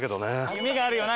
夢があるよな